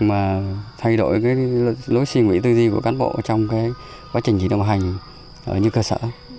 và thay đổi lối suy nghĩ tư duy của cán bộ trong quá trình chỉ đồng hành ở những cơ sở